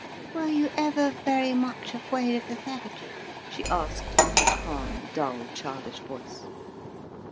"Were you ever vewy much afwaid of the savages?" she asked in her calm, dull childish voice.